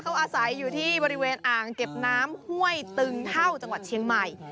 เขาอาศัยอยู่ที่บริเวณอ่างเก็บน้ำห้วยตึงเท่าจังหวัดเชียงใหม่